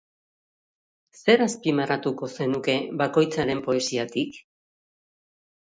Zer azpimarratuko zenuke bakoitzaren poesiatik?